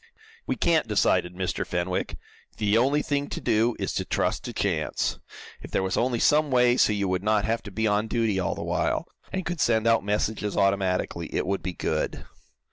"We can't," decided Mr. Fenwick. "The only thing to do is to trust to chance. If there was only some way so you would not have to be on duty all the while, and could send out messages automatically, it would be good."